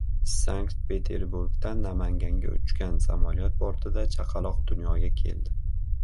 Sankt-Peterburgdan Namanganga uchgan samolyot bortida chaqaloq dunyoga keldi